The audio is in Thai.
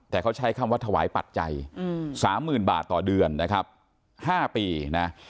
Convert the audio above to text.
แต่เขาใช้คำว่าถวายปัจจัย๓๐๐๐บาทต่อเดือนนะครับ๕ปีนะ